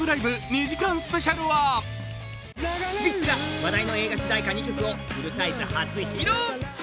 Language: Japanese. ２時間スペシャル」はスピッツが話題の映画主題歌２曲をフルサイズ初披露。